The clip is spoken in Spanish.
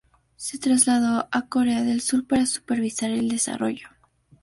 Se trasladó a Corea del Sur para supervisar el desarrollo.